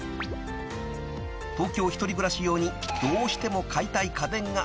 ［東京１人暮らし用にどうしても買いたい家電がある］